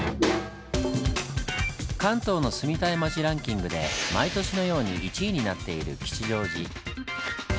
関東の住みたい街ランキングで毎年のように１位になっている吉祥寺。